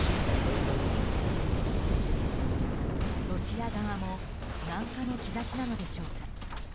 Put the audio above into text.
ロシア側も軟化の兆しなのでしょうか。